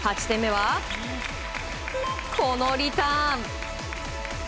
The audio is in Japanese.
８点目は、このリターン。